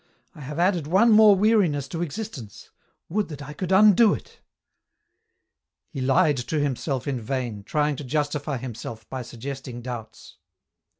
I have added one more weariness to existence — would that I could undo it." He lied to himself in vain, trying to justify himself by suggesting doubts.